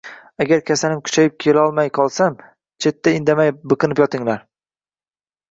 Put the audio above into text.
Agar kasalim kuchayib kelolmay qolsam, chetda indamay biqinib yotinglar